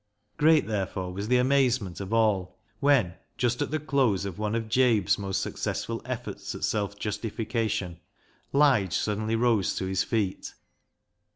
Great, therefore, was the amazement of all when, just at the close of one of Jabe's most successful efforts at self justification, Lige sud denly rose to his feet.